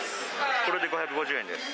これで５５０円です。